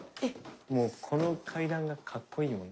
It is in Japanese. もうこの階段がかっこいいもん。